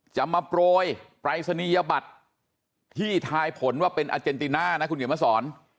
จะมาโปรยปรายศนียบัตรที่ทายผลว่าเป็นอาเจนติน่านะคุณเขียนมาสอน